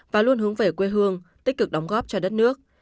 và luôn hướng về quê hương tích cực đóng góp cho đất nước